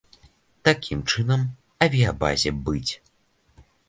Такім чынам, авіябазе быць.